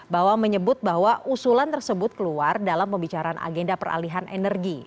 bahwa menyebut bahwa usulan tersebut keluar dalam pembicaraan agenda peralihan energi